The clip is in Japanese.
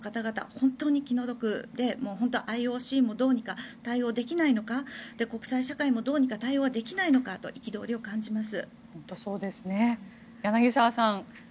本当に気の毒でＩＯＣもどうにか対応できないのか国際社会もどうにか対応できないのかと憤りを感じます。